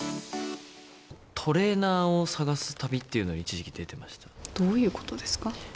トレーナーを探す旅っていうどういうことですか？